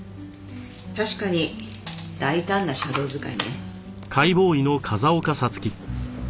確かに大胆なシャドー使いね。